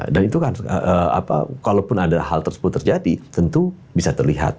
dan itu kan kalau ada hal tersebut terjadi tentu bisa terlihat